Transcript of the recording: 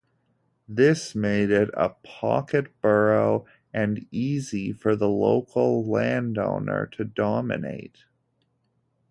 This made it a pocket borough and easy for the local landowner to dominate.